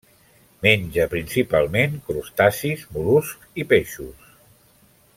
Menja principalment crustacis, mol·luscs i peixos.